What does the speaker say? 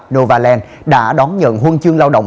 nova land đã đón nhận huân chương lao động